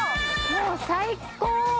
もう最高！